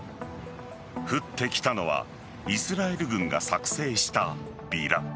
降ってきたのはイスラエル軍が作成したビラ。